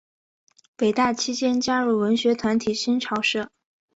北大期间加入文学团体新潮社。